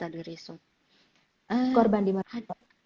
ada korban di mana